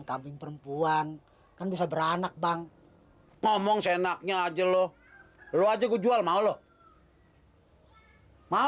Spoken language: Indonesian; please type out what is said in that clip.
kambing perempuan kan bisa beranak bang ngomong senaknya aja loh lo aja gue jual mau lo hai mahal